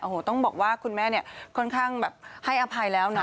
โอ้โหต้องบอกว่าคุณแม่เนี่ยค่อนข้างแบบให้อภัยแล้วนะ